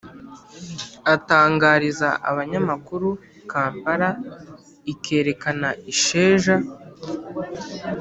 atangariza abanyamakuru, kampala ikerekana isheja